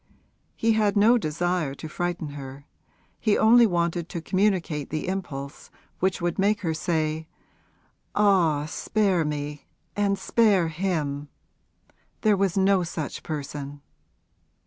He had no desire to frighten her; he only wanted to communicate the impulse which would make her say, 'Ah, spare me and spare him! There was no such person.'